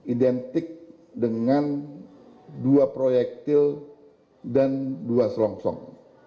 identik dengan dua proyektil dan dua selongsong